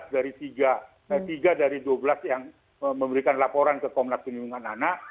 dua belas dari tiga tiga dari dua belas yang memberikan laporan ke komnas penyelidikan anak